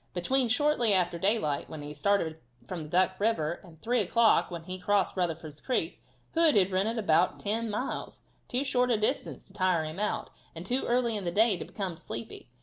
Between "shortly after daylight," when he started from Duck river, and 3 o'clock, when he had crossed Rutherford's creek. Hood had ridden about ten miles too short a distance to tire him out, and too early in the day to become sleepy.